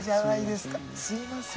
すいません。